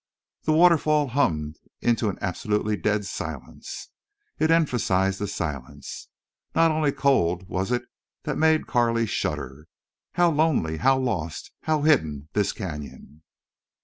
The waterfall hummed into an absolutely dead silence. It emphasized the silence. Not only cold was it that made Carley shudder. How lonely, how lost, how hidden this canyon!